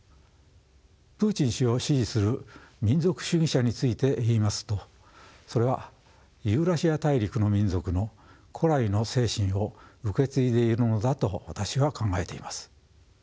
プーチン氏を支持する民族主義者について言いますとそれはユーラシア大陸の民族の古来の精神を受け継いでいるのだと私は考えています。